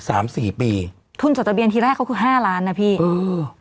สามสี่ปีทุนจบตะเบียนที่แรกเขาก็ครึ่งห้าล้านนะพี่อือ